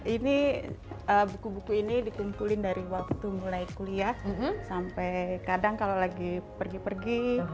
ini buku buku ini dikumpulin dari waktu mulai kuliah sampai kadang kalau lagi pergi pergi